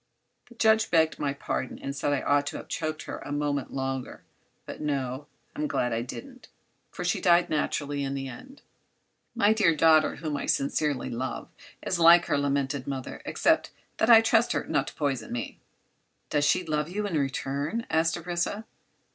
The judge begged my pardon and said I ought to have choked her a moment longer. But no; I'm glad I didn't, for she died naturally in the end. My dear daughter, whom I sincerely love, is like her lamented mother, except that I can trust her not to poison me." "Doesn't she love you in return?" asked Orissa.